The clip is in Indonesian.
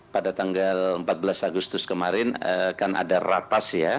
pada tanggal empat belas agustus kemarin kan ada ratas ya